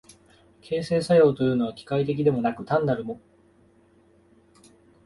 形成作用というのは機械的でもなく単なる合目的的でもない、意識的でなければならない。